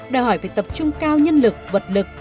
đòi hỏi phải tập trung cao nhân lực vật lực